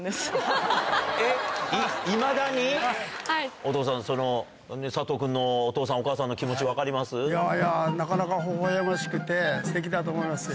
お父さん、その、佐藤君のお父さん、お母さんの気持ち、いやいや、なかなかほほえましくてすてきだと思いますよ。